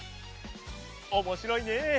おもしろいね。